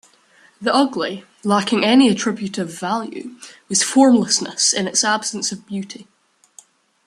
The ugly, lacking any attributive value, was a formlessness in its absence of beauty.